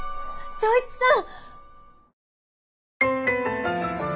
昇一さん！